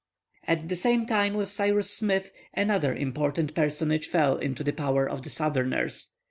At the same time with Cyrus Smith another important personage fell into the power of the Southerners.